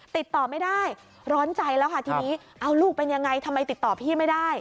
ติดต่อไม่ได้ร้อนใจแล้วค่ะทีนี้เอาลูกเป็นยังไงทำไมติดต่อพี่ไม่ได้